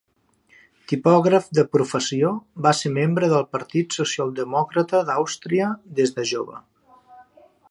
Tipògraf de professió, va ser membre del Partit Socialdemòcrata d'Àustria des de jove.